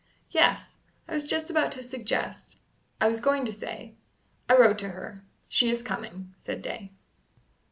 "Yes; I was just about to suggest I was going to say " "I wrote to her. She is coming," said Day.